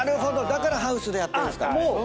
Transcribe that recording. だからハウスでやってんすか。